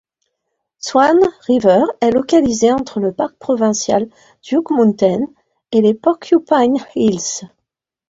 Swan River est localisé entre le parc provincial Duck Mountain et les Porcupine Hills.